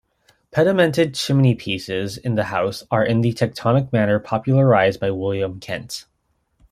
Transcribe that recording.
Pedimented chimneypieces in the house are in the tectonic manner popularized by William Kent.